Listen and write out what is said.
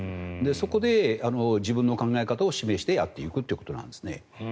そこで自分の考え方を示してやっていくということなんです。